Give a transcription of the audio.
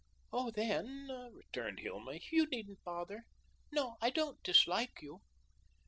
"Oh, then," returned Hilma, "you needn't bother. No, I don't dislike you."